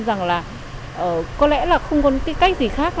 rằng là có lẽ là không có cái cách gì khác